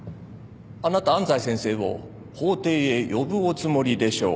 あなた安斎先生を法廷へ呼ぶおつもりでしょう。